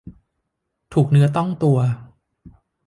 ถูกเนื้อต้องตัว